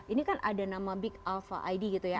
ini kan ada nama big alpha id gitu ya